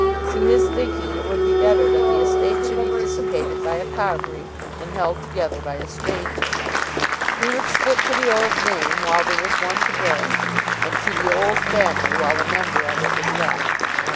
To his thinking it would be better that the estate should be dissipated by a Carbury than held together by a stranger. He would stick to the old name while there was one to bear it, and to the old family while a member of it was left.